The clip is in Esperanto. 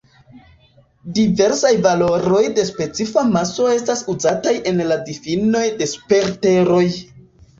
Diversaj valoroj de specifa maso estas uzataj en la difinoj de super-Teroj.